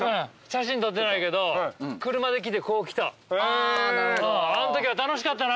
写真撮ってないけど車で来てこう来た。